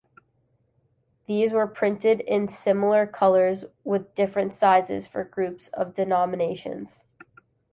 These were printed in similar colours with different sizes for groups of denominations.